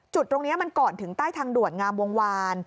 จุดตรงนี้มันก่อนถึงใต้ทางด่วนงามวงวาน